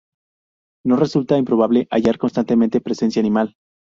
No resulta improbable hallar constantemente presencia animal.